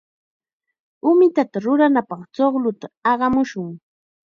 Umitata ruranapaq chuqlluta aqamushun.